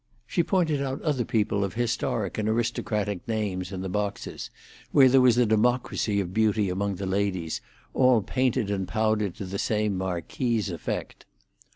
She pointed out other people of historic and aristocratic names in the boxes, where there was a democracy of beauty among the ladies, all painted and powdered to the same marquise effect.